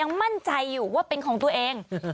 เลือกว่าเป็นของตัวเอง